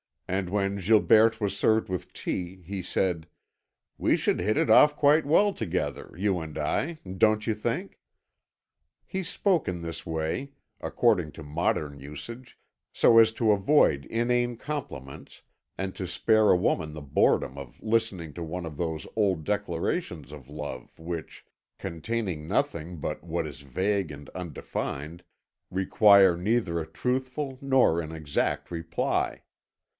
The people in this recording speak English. And when Gilberte was served with tea, he said: "We should hit it off quite well together, you and I, don't you think?" He spoke in this way, according to modern usage, so as to avoid inane compliments and to spare a woman the boredom of listening to one of those old declarations of love which, containing nothing but what is vague and undefined, require neither a truthful nor an exact reply.